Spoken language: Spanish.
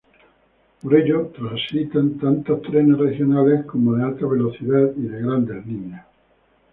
Por ella transitan tanto trenes regionales, como de alta velocidad y de grandes líneas.